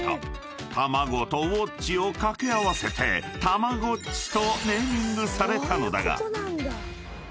［たまごとウォッチを掛け合わせてたまごっちとネーミングされたのだが］